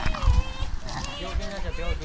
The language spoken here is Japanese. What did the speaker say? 病気になっちゃう病気。